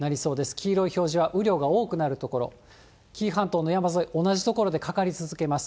黄色い表示は雨量が多くなる所、紀伊半島の山沿い、同じ所でかかり続けます。